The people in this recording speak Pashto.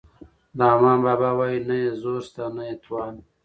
رحمان بابا وايي نه یې زور شته نه یې توان.